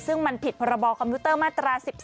ซึ่งมันผิดพรบคอมพิวเตอร์มาตรา๑๒